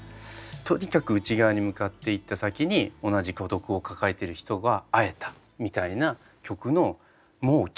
とにかく内側に向かっていった先に同じ孤独を抱えてる人が会えたみたいな曲のもう極みじゃないでしょうか。